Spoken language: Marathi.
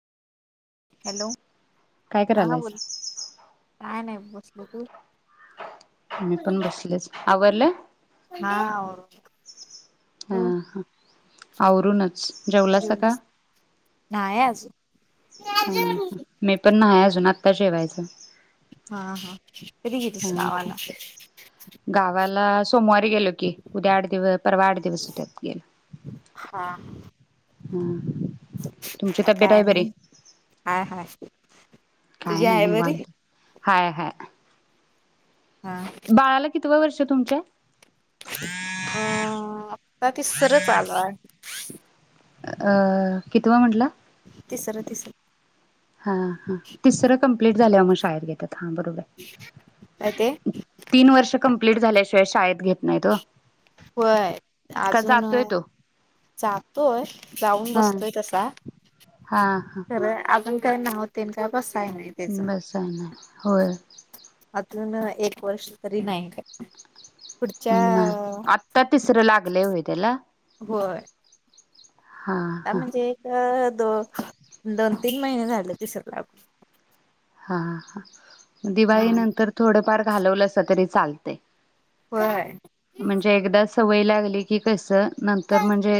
हॅलो काय हा बोल करायलायसा काय नाही बस हा बोल मी पण बसलेच आवरल. हा आवरून हा ह आवरूनच जेवलासा का? जेवलीस नाही अजून हा मी पण नाही अजून अजून आत्ता जेवायचं हा हा कधी गेलतीस गावाला क्लास सोमवारी गेलो की उद्या आठ दिव परवा आठ दिवस होत्यात. हा हम् काय नाही हाय हाय काय तुझी नाही आहे बरी निवांत हाय हाय हा बाळाला कितव वर्ष? तुमच्या अं आता तिसर चालु हाय अ कितीव म्हटला तिसर तिसर हा हा तिसरं कं कप्लीट झाल्यावर मग शाळेत घेतात. हा बरोबर काय ते तीन वर्ष कम्प्लीट. कम्प्लीट झाल्याशिवाय शाळेत घेत नाहीत ओ होय का अजून जातोय तो जातोय जाऊन हा बसतोय तसा हा खर अजून ते नाव त्यांच बस बस आहे ना होय. अजून एक वर्ष तरी नाही काय? पुढच्या हम्म आता तिसरं लागलय होय. त्याला होय. हा ह हा म्हणजे एक अ दो दोन तीन महिने झाले तिसर लागून हां हां हां दिवाळी नंतर थोडंफार घालवलंसा तरी चालतय होय म्हणजे एकदाच सवय लागली की कसं नंतर म्हणजे